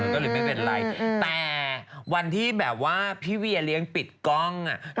ก็เลยไม่เป็นไรแต่วันที่แบบว่าพี่เวียเลี้ยงปิดกล้อง